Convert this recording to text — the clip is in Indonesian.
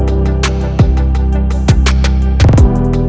korbannya mulai sekarang